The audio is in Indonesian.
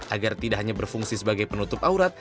agar tidak hanya berfungsi sebagai penutup aurat